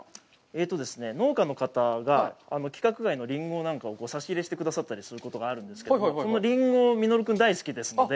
ええとですね、農家の方が規格外のリンゴなんかを差し入れしてくださったりすることがあるんですけど、そのリンゴがミノル君は大好きですので。